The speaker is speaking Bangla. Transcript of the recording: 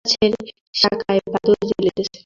ছাতিম গাছের শাখায় বাদুড় ঝুলিতেছে।